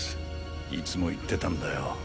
いつも言ってたんだよ。